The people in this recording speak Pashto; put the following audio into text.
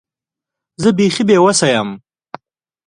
زه بیخي بې وسه یم .